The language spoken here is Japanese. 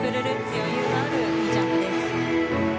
余裕のあるいいジャンプです。